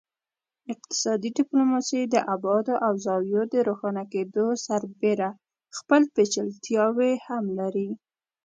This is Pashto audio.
اقتصادي ډیپلوماسي د ابعادو او زاویو د روښانه کیدو سربیره خپل پیچلتیاوې هم لري